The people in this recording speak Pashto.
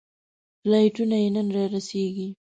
فلایټونه یې نن رارسېږي.